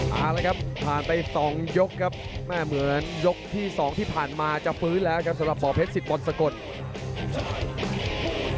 เอาละครับผ่านไป๒ยกครับแม่เหมือนยกที่๒ที่ผ่านมาจะฟื้นแล้วครับสำหรับบ่อเพชรสิทธบอลสกล